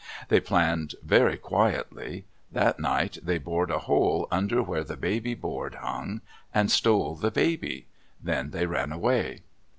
They planned very quietly. That night they bored a hole under where the baby board hung and stole the baby. Then they ran away.